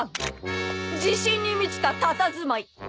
自信に満ちたたたずまい。